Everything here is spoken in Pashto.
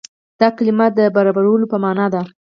دا کلمه د برابرولو په معنا ده.